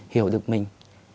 hiểu được mình